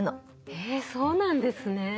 えそうなんですね。